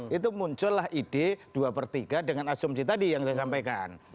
itu muncullah ide dua per tiga dengan asumsi tadi yang saya sampaikan